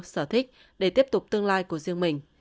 sở thích để tiếp tục tương lai của riêng mình